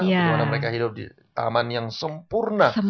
di mana mereka hidup di taman yang sempurna